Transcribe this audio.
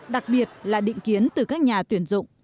đặc biệt là định kiến từ các nhà tuyển dụng